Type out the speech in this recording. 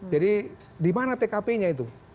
jadi di mana tkp nya itu